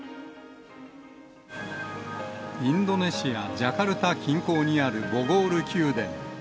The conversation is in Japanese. インドネシア・ジャカルタ近郊にあるボゴール宮殿。